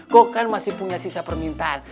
kok kan masih punya sisa permintaan